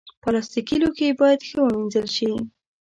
پلاستيکي لوښي باید ښه ومینځل شي.